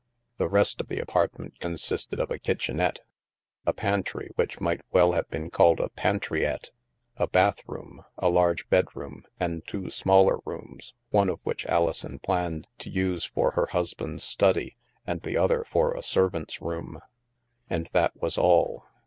The rest of the apart ment consisted of a kitchenette, a pantry which might well have been called " a pantryette," a bath room, a large bedroom, and two smaller rooms, one of which Alison planned to use for her husband's study and the other for a servant's room. And that was all.